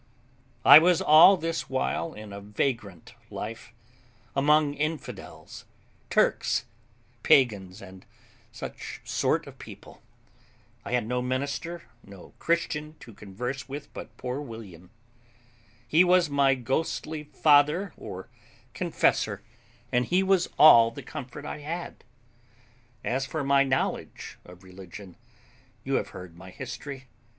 I was all this while in a vagrant life, among infidels, Turks, pagans, and such sort of people. I had no minister, no Christian to converse with but poor William. He was my ghostly father or confessor, and he was all the comfort I had. As for my knowledge of religion, you have heard my history.